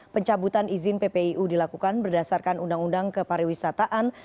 pencabutan izin ppiu dilakukan berdasarkan undang undang kepariwisataan